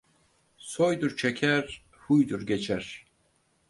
Soydur çeker, huydur geçer.